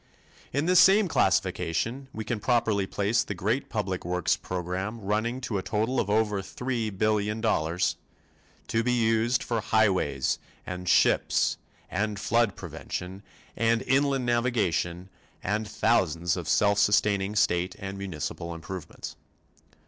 In this same classification we can properly place the great public works program running to a total of over three billion dollars to be used for highways and ships and flood prevention and inland navigation and thousands of self sustaining state and municipal improvements.